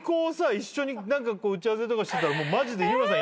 一緒に打ち合わせとかしてたらマジで日村さん